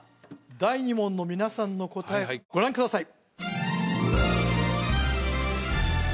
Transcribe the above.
第２問の皆さんの答えご覧ください